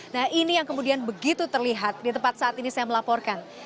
nah ini yang kemudian begitu terlihat di tempat saat ini saya melaporkan